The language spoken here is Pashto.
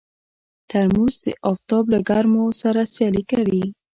ترموز د افتاب له ګرمو سره سیالي کوي.